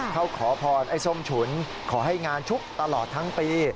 เขาขอพรไอ้ส้มฉุนขอให้งานชุกตลอดทั้งปี